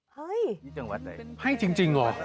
เฮ้ยให้จริงหรอ